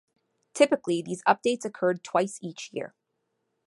Typically, these updates occurred twice each year.